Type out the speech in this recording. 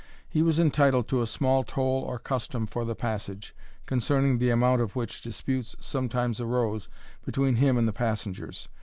He was entitled to a small toll or custom for the passage, concerning the amount of which disputes sometimes arose between him and the passengers.